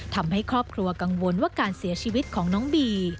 ทำให้ครอบครัวกังวลว่าการเสียชีวิตของน้องบี